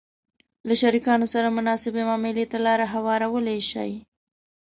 -له شریکانو سره مناسبې معاملې ته لار هوارولای شئ